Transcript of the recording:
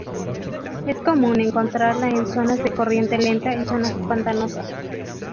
Es común encontrarla en zonas de corriente lenta y zonas pantanosas.